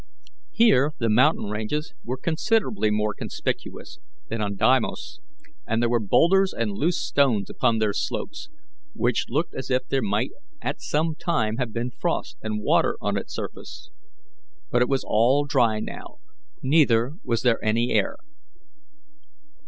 Here the mountain ranges were considerably more conspicuous than on Deimos, and there were boulders and loose stones upon their slopes, which looked as if there might at some time have been frost and water on its surface; but it was all dry now, neither was there any air.